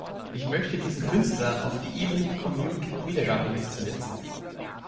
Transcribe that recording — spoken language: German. Ich möchte diesen Künstler auf die Evening Commute-Wiedergabeliste setzen.